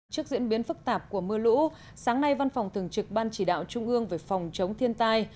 trước diễn biến phức tạp của mưa lũ sáng nay văn phòng thường trực ban chỉ đạo trung ương về phòng chống thiên tai